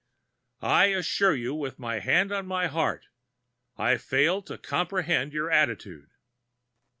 I assure you, with my hand on my heart, I fail to comprehend your attitude."